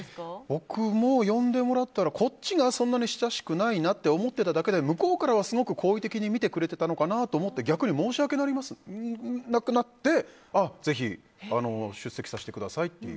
僕も呼んでもらったらこっちがそんなに親しくないなって思っていただけで向こうからは好意的に見てもらえてたのかなって逆に申し訳なくなってぜひ出席させてくださいと。